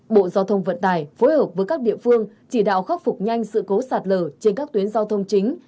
bộ giao thông vận tải phối hợp với các địa phương chỉ đạo khắc phục nhanh sự cố sạt lở trên các tuyến giao thông chính